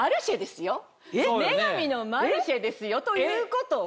『マルシェ』ですよ？ということは？